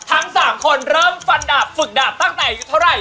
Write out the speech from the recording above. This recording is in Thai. ทั้ง๓คนเริ่มฟันดาบฝึกดาบตั้งแต่อายุเท่าไหร่